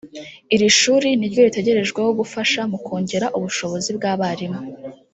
Iri shuri niryo ritegerejweho gufasha mu kongera ubushobozi bw’abarimu